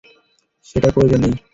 সেটার প্রয়োজন নেই।